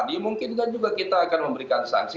dimungkinkan juga kita akan memberikan sanksi